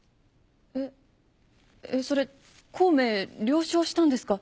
えっえっそれ孔明了承したんですか？